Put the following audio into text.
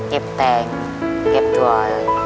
เก็บแตงเก็บถั่วเลย